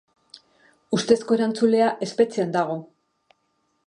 Ustezko erantzulea espetxean dago.